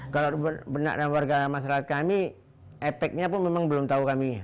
kalau benar dan warga masyarakat kami efeknya pun memang belum tahu kami